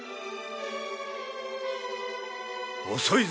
遅いぞ！